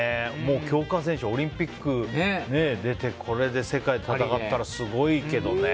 強化選手でオリンピックに出てこれで世界と戦ったらすごいけどね。